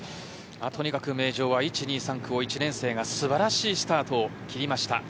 名城は１、２、３区を１年生が素晴らしいスタートを切りました。